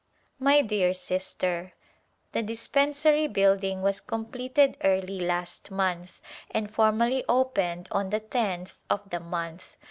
My dear Sister : The dispensary building was completed early last month and formally opened on the tenth of the month.